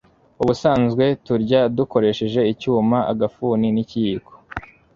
Ubusanzwe turya dukoresheje icyuma, agafuni n'ikiyiko.